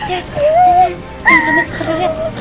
jangan sampai susternya